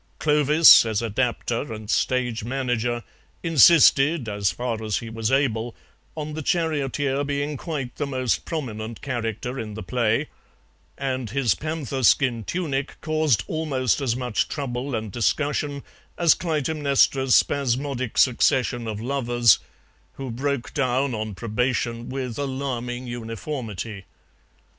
Clovis, as adapter and stage manager, insisted, as far as he was able, on the charioteer being quite the most prominent character in the play, and his panther skin tunic caused almost as much trouble and discussion as Clytemnestra's spasmodic succession of lovers, who broke down on probation with alarming uniformity.